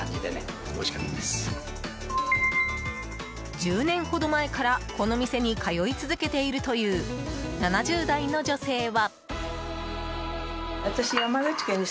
１０年ほど前からこの店に通い続けているという７０代の女性は。